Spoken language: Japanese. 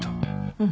うん。